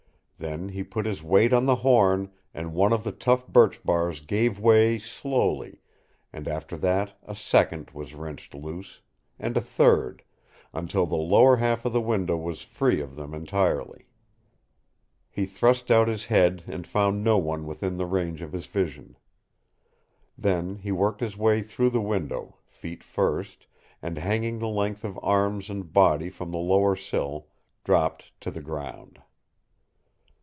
Then he put his weight on the horn, and one of the tough birch bars gave way slowly, and after that a second was wrenched loose, and a third, until the lower half of the window was free of them entirely. He thrust out his head and found no one within the range of his vision. Then he worked his way through the window, feet first, and hanging the length of arms and body from the lower sill, dropped to the ground.